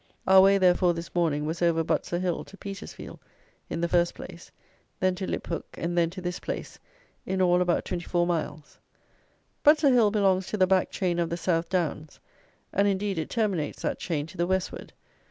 Our way, therefore, this morning, was over Butser hill to Petersfield, in the first place; then to Lyphook and then to this place, in all about twenty four miles. Butser hill belongs to the back chain of the South Downs; and, indeed, it terminates that chain to the westward.